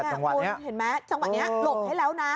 อ้อจังหวะนี้เห็นไหมจังหวะนี้หลบให้แล้วนะ